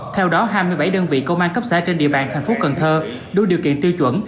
theo đó hai mươi bảy đơn vị công an cấp xã trên địa bàn thành phố cần thơ đủ điều kiện tiêu chuẩn